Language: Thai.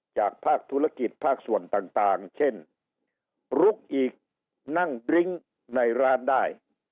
จากภาคธุรกิจภาคส่วนต่างเช่นลุกอีกนั่งบริ้งในร้านได้